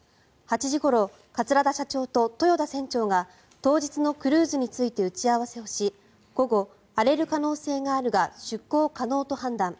８時ごろ、桂田社長と豊田船長が当日のクルーズについて打ち合わせをし午後、荒れる可能性があるが出航可能と判断。